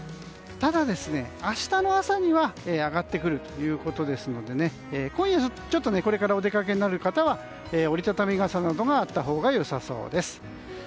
ただ、明日の朝には上がってくるということですので今夜、ちょっとこれからお出かけになる方は折り畳み傘などがあったほうが良さそうです。